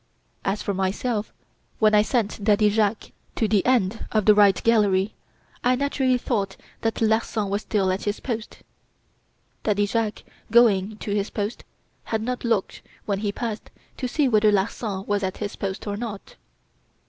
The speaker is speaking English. As for myself, when I sent Daddy Jacques to the end of the 'right gallery,' I naturally thought that Larsan was still at his post. Daddy Jacques, in going to his post, had not looked, when he passed, to see whether Larsan was at his post or not.